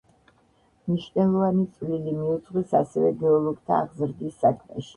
მნიშვნელოვანი წვლილი მიუძღვის ასევე გეოლოგთა აღზრდის საქმეში.